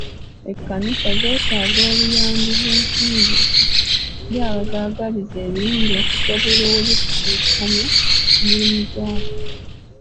Ekkanisa zeetaaga obuyambi bw'ensimbi okuva eri abazaagaliza ebirungi okusobola oluddukanya emirimu gyago.